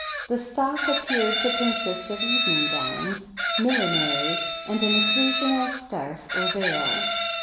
The stock appeared to consist of evening gowns, millinery and an occasional scarf or veil.